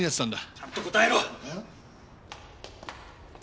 ちゃんと答えろ！